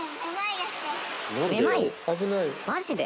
マジで？